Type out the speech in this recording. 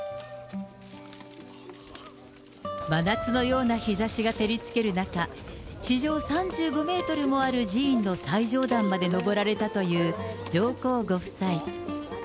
真夏のような日ざしが照りつける中、地上３５メートルもある寺院の最上段までのぼられたという上皇ご夫妻。